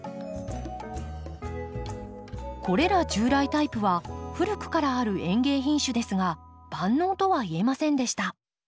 これら従来タイプは古くからある園芸品種ですが万能とはいえませんでした。